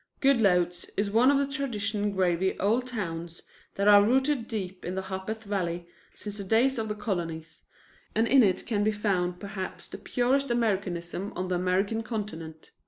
Goodloets is one of the tradition grayed old towns that are rooted deep in the Harpeth Valley since the days of the Colonies, and in it can be found perhaps the purest Americanism on the American continent.